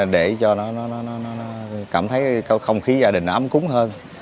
để cho nó cảm thấy không khí gia đình nó ấm cúng hơn